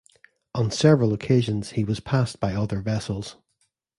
On several occasions he was passed by other vessels.